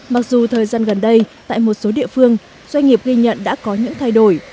mặc dù thời gian gần đây tại một số địa phương doanh nghiệp ghi nhận đã có những thay đổi